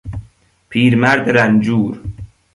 پیرمرد رنجور